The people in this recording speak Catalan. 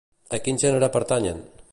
A quin gènere pertanyen?